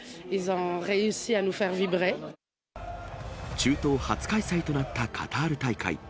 中東初開催となったカタール大会。